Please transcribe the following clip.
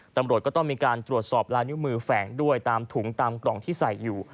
ตำรวจก็ต้องมีการตรวจสอบลายนิ้วมือแฝงด้วยตามถุงตามกล่องที่ใส่อยู่